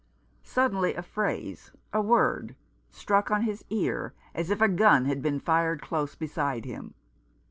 Suddenly a phrase — a word — struck on his ear as if a gun had been fired close beside him.